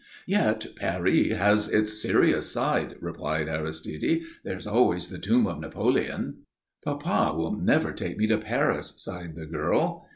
"Yet Paris has its serious side," argued Aristide. "There is always the tomb of Napoleon." "Papa will never take me to Paris," sighed the girl.